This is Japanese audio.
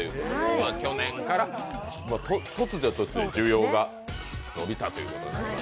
去年から突如として需要が伸びたということになります。